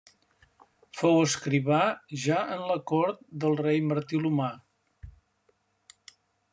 Fou escrivà ja en la cort del rei Martí l'Humà.